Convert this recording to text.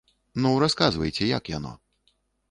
Ну, расказвайце, як яно.